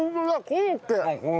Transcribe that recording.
コロッケ。